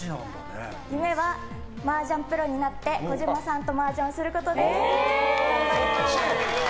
夢はマージャンプロになって児嶋さんとマージャンをすることです。